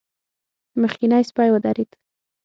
مخکينی سپی ودرېد.